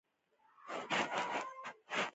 په خوږه توګه د ویښتانو ږمنځول ګټه لري.